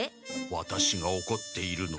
ワタシがおこっているのは。